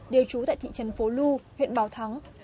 đều trú tại thị trấn phố lu huyện bảo thắng